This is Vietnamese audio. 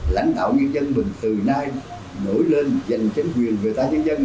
lãnh đạo nhân dân mình từ nay nổi lên giành chính quyền về tai nhân dân